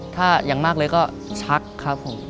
ถ้าอย่างมากเลยก็ชักครับผม